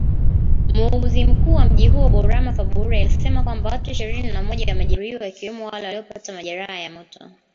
Muuguzi mkuu wa mji huo Bourama Faboure alisema kwamba watu ishirini na moja wamejeruhiwa wakiwemo wale waliopata majeraha ya moto